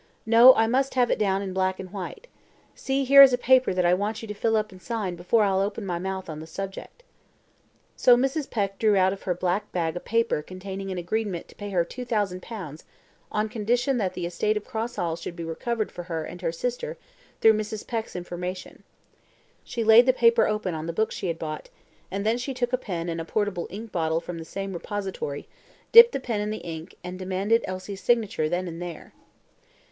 No, I must have it down in black and white. See, here is a paper that I want you to fill up and sign before I'll open my mouth on the subject." So Mrs. Peck drew out of her black bag a paper containing an agreement to pay her 2,000 pounds on condition that the estate of Cross Hall should be recovered for her and her sister through Mrs. Peck's information. She laid the paper open on the book she had bought, then she took a pen and a portable ink bottle from the same repository, dipped the pen in the ink, and demanded Elsie's signature then and there.